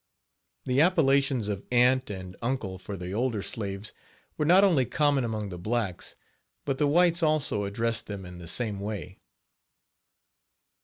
The appellations of "aunt" and "uncle" for the older slaves were not only common among the blacks, but the whites also addressed them in the same way.